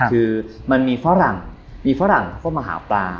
คือมันมีฝรั่งมีฝรั่งเข้ามาหาปลา